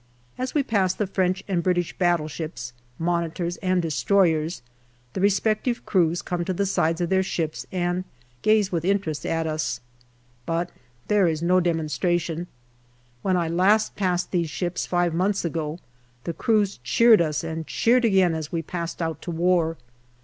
As we pass the French and British battleships, Monitors, and destroyers, the respective crews come to the sides of their ships and gaze 298 GALLIPOLI DIARY with interest at us. But there is no demonstration. When I last passed these ships, five months ago, the crews cheered us, and cheered again as we passed out to war.